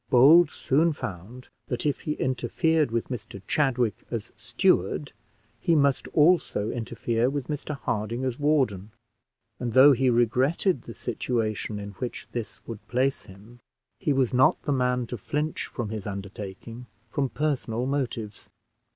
Bold soon found that if he interfered with Mr Chadwick as steward, he must also interfere with Mr Harding as warden; and though he regretted the situation in which this would place him, he was not the man to flinch from his undertaking from personal motives.